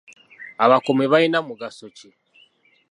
Abakuumi balina mugaso ki?